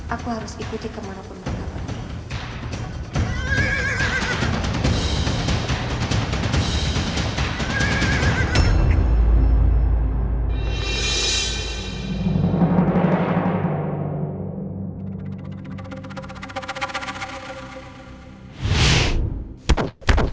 aku harus ikuti kemana pun mereka pergi